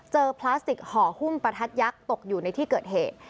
พลาสติกห่อหุ้มประทัดยักษ์ตกอยู่ในที่เกิดเหตุ